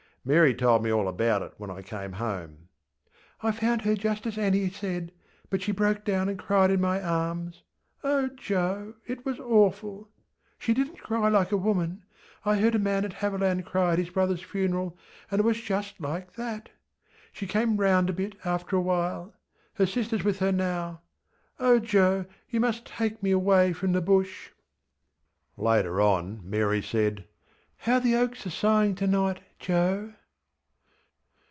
Mary told me all about it when I came home. ŌĆśI found her just as Annie said; but she broke down and cried in my arms. Oh, Joe! it was awful! She didnŌĆÖt cry like a woman. I heard a man at Haviland cry at his brotherŌĆÖs funeral, and it was just like that. She came round a bit after a while. Her sisterŌĆÖs with her now. ... Oh, Joe! you must take me away from the Bush.ŌĆÖ Later on Mary saidŌĆö ŌĆśHow the oaks are sighing to night, Joe!